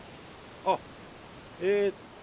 あっえ